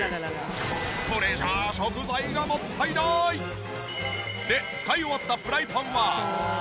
これじゃあ食材がもったいない！で使い終わったフライパンは。